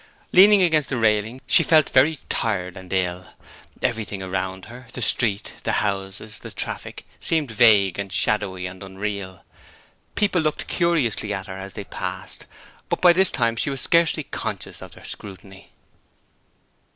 Leaning against the railings, she felt very tired and ill. Everything around her the street, the houses, the traffic seemed vague and shadowy and unreal. Several people looked curiously at her as they passed, but by this time she was scarcely conscious of their scrutiny.